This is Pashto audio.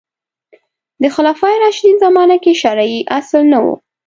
د خلفای راشدین زمانه کې شرعي اصل نه و